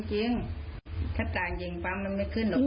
ก็จะออกมาว่าตายแล้วฟื้นไม่ตายจริง